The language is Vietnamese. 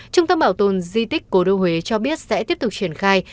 trung tâm bảo tồn di tích cổ đô huế cho biết sẽ tiếp tục triển khai